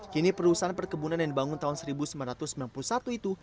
kini perusahaan perkebunan yang dibangun tahun seribu sembilan ratus sembilan puluh satu itu